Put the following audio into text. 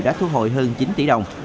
đã thu hồi hơn chín tỷ đồng